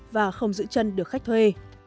và không giữ chân được khách thuê